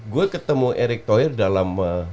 gue ketemu erik toer dalam